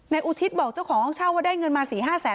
อุทิศบอกเจ้าของห้องเช่าว่าได้เงินมา๔๕แสน